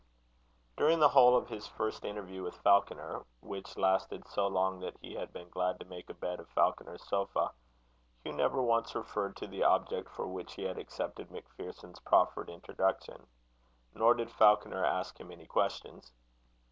During the whole of his first interview with Falconer, which lasted so long that he had been glad to make a bed of Falconer's sofa, Hugh never once referred to the object for which he had accepted MacPherson's proffered introduction; nor did Falconer ask him any questions.